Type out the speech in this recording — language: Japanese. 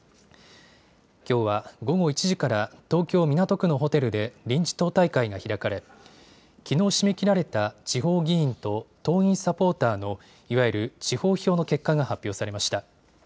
きょうは午後１時から、東京・港区のホテルで臨時党大会が開かれ、きのう締め切られた地方議員と党員・サポーターのいわゆる地方票の結果が発表されました。